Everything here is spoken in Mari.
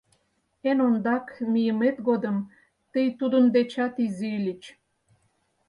Эн ондак мийымет годым тый тудын дечат изи ыльыч.